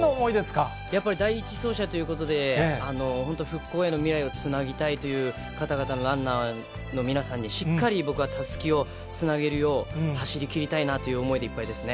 やっぱり第１走者ということで、本当、復興への未来をつなぎたいという方々のランナーの皆さんにしっかり僕はたすきをつなげるよう、走りきりたいなという想いでいっぱいですね。